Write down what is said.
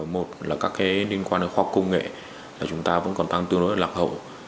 một là các hệ liên quan đến khoa học công nghệ chúng ta vẫn còn tăng tương đối lạc hậu